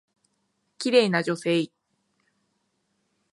綺麗な女性。